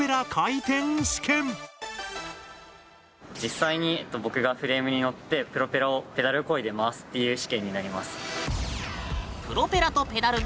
実際に僕がフレームに乗ってプロペラをペダルこいで回すっていう試験になります。